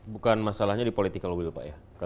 bukan masalahnya di political will pak ya